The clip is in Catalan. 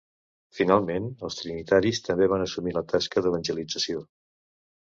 Finalment, els trinitaris també van assumir la tasca d'evangelització.